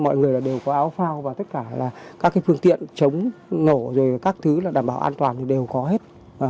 mọi người đều có áo phao và tất cả các phương tiện chống nổ rồi các thứ đảm bảo an toàn đều có hết